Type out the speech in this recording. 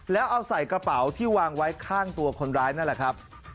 แล้วเอาใส่กระเป๋าที่วางไว้ข้างตัวคนร้ายนั่นแหละครับ